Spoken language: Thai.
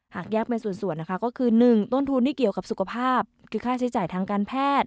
หากแยกเป็นส่วนนะคะก็คือ๑ต้นทุนที่เกี่ยวกับสุขภาพคือค่าใช้จ่ายทางการแพทย์